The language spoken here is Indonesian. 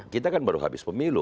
kita kan baru habis pemilu